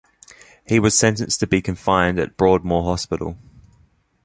He was sentenced to be confined at Broadmoor Hospital.